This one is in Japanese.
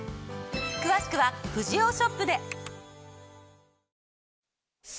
詳しくはフジオーショップで！